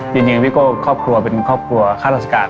ยังยังพี่โก่ครอบครัวเป็นครอบครัวข้าทักษกาล